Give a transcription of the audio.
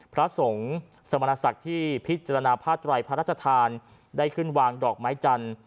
พระสงฆ์สมณศักดิ์ที่พิจารณาผ้าไตรพระราชทานได้ขึ้นวางดอกไม้จันทร์